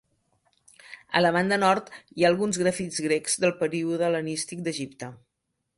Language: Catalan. A la banda nord hi ha alguns grafits grecs del període hel·lenístic d'Egipte.